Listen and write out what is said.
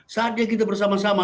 saatnya kita bersama sama